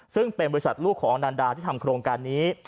ซึ่งเป็นบริษัทลูกของอนันดาที่ทำโครงการนี้